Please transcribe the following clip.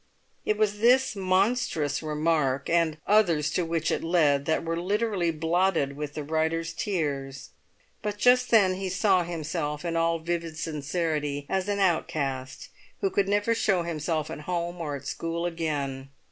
It was this monstrous remark, and others to which it led, that were literally blotted with the writer's tears. But just then he saw himself in all vivid sincerity as an outcast who could never show himself at home or at school again.